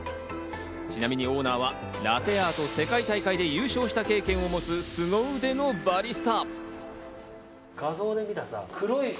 ちなみにオーナーはラテアート世界大会で優勝した経験をもつスゴ腕のバリスタ。